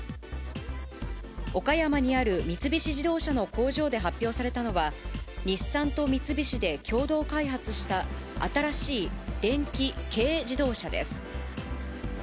岡山にある三菱自動車の工場で発表されたのは、日産と三菱で共同開発した新しい電気軽自動車です。